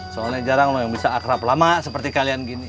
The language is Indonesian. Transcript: soalnya jarang bisa akrab lama seperti kalian gini